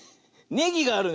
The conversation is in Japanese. ネギがあるね。